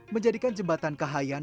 menjadikan jembatan kahayan